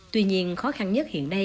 tuy nhiên khó khăn nhất hiện nay